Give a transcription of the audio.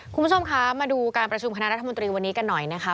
คุณผู้ชมคะมาดูการประชุมคณะรัฐมนตรีวันนี้กันหน่อยนะคะ